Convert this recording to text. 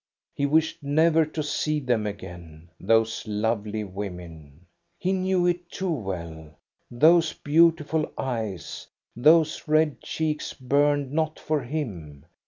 He wished never to see them again, those lovely women. He knew it too well. Those beautiful eyes, those red cheeks burned not for him.